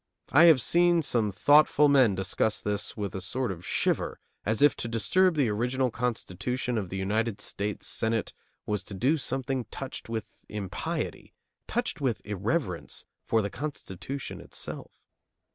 I have seen some thoughtful men discuss that with a sort of shiver, as if to disturb the original constitution of the United States Senate was to do something touched with impiety, touched with irreverence for the Constitution itself.